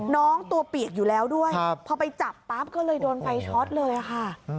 น้องตัวเปียกอยู่แล้วด้วยพอไปจับปั๊บก็เลยโดนไฟช็อตเลยค่ะ